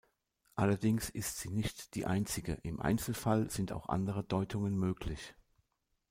Allerdings ist sie nicht die einzige; im Einzelfall sind auch andere Deutungen möglich.